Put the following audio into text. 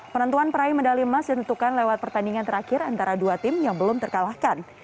penentuan peraih medali emas ditentukan lewat pertandingan terakhir antara dua tim yang belum terkalahkan